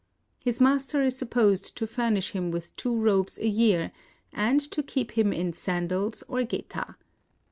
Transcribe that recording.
His master is supposed to furnish him with two robes a year, and to keep him in sandals, or geta.